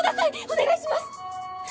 お願いします！